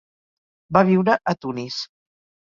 Va viure a Tunis.